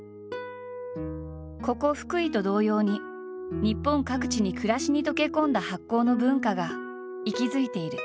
ここ福井と同様に日本各地に暮らしに溶け込んだ発酵の文化が息づいている。